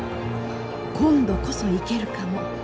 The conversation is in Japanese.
今度こそ行けるかも。